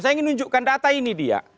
saya ingin nunjukkan data ini dia